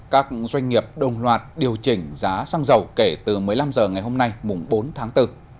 các doanh nghiệp đồng loạt điều chỉnh giá xăng dầu kể từ một mươi năm h ngày hôm nay mùng bốn tháng bốn